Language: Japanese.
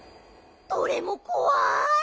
どれもこわい！